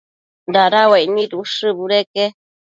dada uaic nid ushë budeque